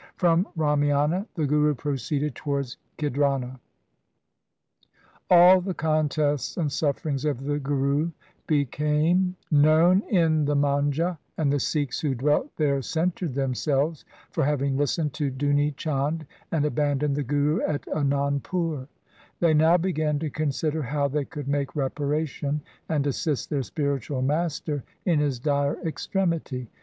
From Ramiana the Guru proceeded towards Khidrana. All the contests and sufferings of the Guru became SIKH V P. 210 LIFE OF GURU GOBIND SINGH 211 known in the Manjha, and the Sikhs who dwelt there censured themselves for having listened to Duni Chand and abandoned the Guru at Anandpur. They now began to consider how they could make reparation and assist their spiritual master in his dire extremity.